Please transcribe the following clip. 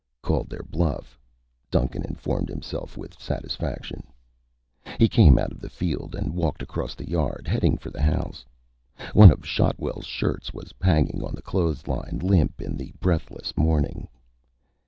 Called their bluff, Duncan informed himself with satisfaction. He came out of the field and walked across the yard, heading for the house. One of Shotwell's shirts was hanging on the clothes line, limp in the breathless morning.